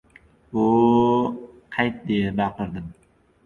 — O‘-o‘-o‘, qayt! — deya baqirdim.